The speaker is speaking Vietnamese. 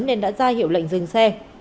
nên đã ra hiệu lệnh dừng xe